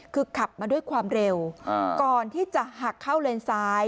คือขับมาด้วยความเร็วก่อนที่จะหักเข้าเลนซ้าย